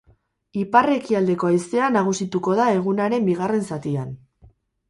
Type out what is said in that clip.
Ipar-ekialdeko haizea nagusituko da egunaren bigarren zatian.